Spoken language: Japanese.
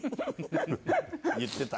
言ってた。